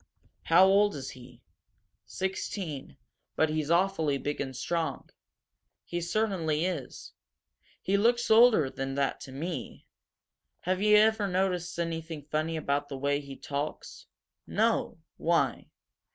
"How old is he?" "Sixteen, but he's awfully big and strong." "He certainly is. He looks older than that, to me. Have you ever noticed anything funny about the way he talks?" "No. Why?